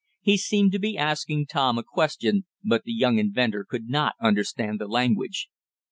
He seemed to be asking Tom a question, but the young inventor could not understand the language.